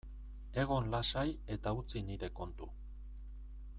Egon lasai eta utzi nire kontu.